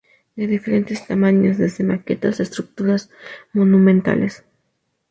De diferentes tamaños, desde maquetas a estructuras monumentales.